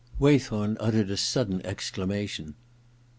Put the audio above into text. Waythorn uttered a sudden exclamation.